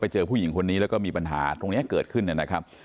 เจอผู้หญิงคนนี้แล้วก็มีปัญหาตรงนี้เกิดขึ้นนะครับ